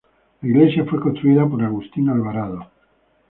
La iglesia fue construida por Agustín Alvarado.